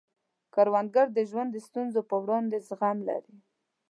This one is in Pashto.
کروندګر د ژوند د ستونزو په وړاندې زغم لري